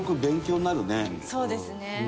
そうですね。